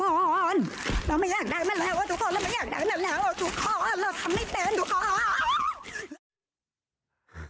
เราไม่อยากได้มันแล้วว่าทุกคนเราไม่อยากได้นั้นแล้วทุกข้อเราทำไม่เป็นทุกข้อ